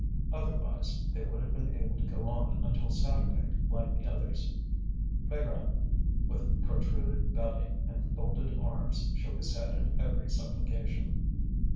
Otherwise they would have been able to go on until Saturday, like the others. Maigrat, with protruded belly and folded arms, shook his head at every supplication.